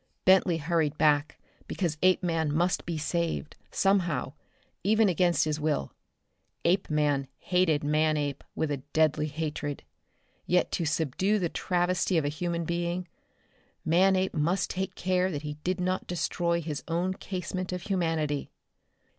Bentley hurried back because Apeman must be saved, somehow, even against his will. Apeman hated Manape with a deadly hatred. Yet to subdue the travesty of a human being, Manape must take care that he did not destroy his own casement of humanity.